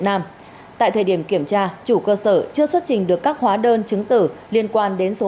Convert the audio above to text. nam tại thời điểm kiểm tra chủ cơ sở chưa xuất trình được các hóa đơn chứng tử liên quan đến số